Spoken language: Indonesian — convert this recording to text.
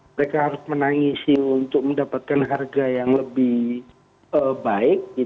mereka harus menangisi untuk mendapatkan harga yang lebih baik